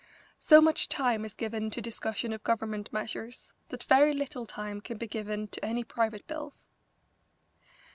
So much time is given to discussion of Government measures that very little time can be given to any private bills.